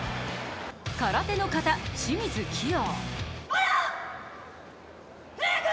空手の形、清水希容。